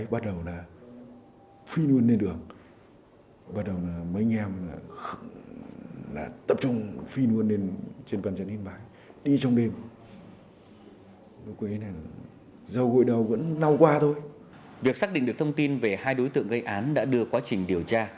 việc xác định được thông tin về hai đối tượng gây án đã đưa quá trình điều tra